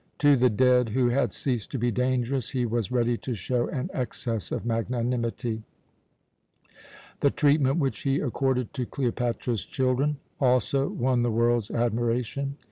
To the dead, who had ceased to be dangerous, he was ready to show an excess of magnanimity. The treatment which he accorded to Cleopatra's children also won the world's admiration.